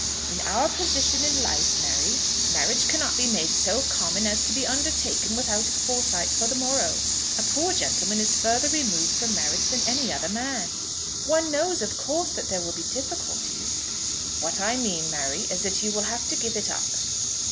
"In our position in life, Mary, marriage cannot be made so common as to be undertaken without foresight for the morrow. A poor gentleman is further removed from marriage than any other man." "One knows, of course, that there will be difficulties." "What I mean, Mary, is, that you will have to give it up."